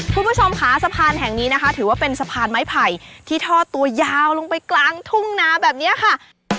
คุณผู้ชมค่ะสะพานแห่งนี้นะคะถือว่าเป็นสะพานไม้ไผ่ที่ทอดตัวยาวลงไปกลางทุ่งนาแบบนี้ค่ะ